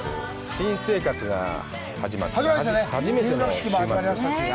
新生活が始まって初めての週末。